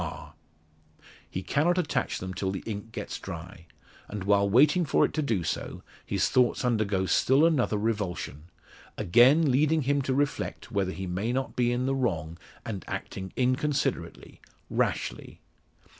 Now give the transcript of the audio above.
R_. He cannot attach them till the ink gets dry; and, while waiting for it to do so, his thoughts undergo still another revulsion; again leading him to reflect whether he may not be in the wrong, and acting inconsiderately rashly.